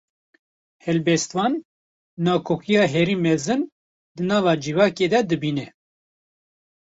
Helbestvan, nakokiya herî mezin, di nava civakê de dibîne